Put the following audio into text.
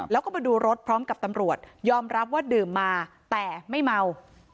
แล้วก็มาดูรถพร้อมกับตำรวจยอมรับว่าดื่มมาแต่ไม่เมา